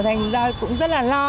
thành ra cũng rất là lo